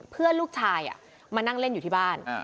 เพื่อนลูกชายมานั่งเล่นอยู่ที่บ้าน